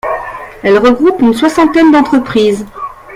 Elle regroupe une soixantaine d'entreprises.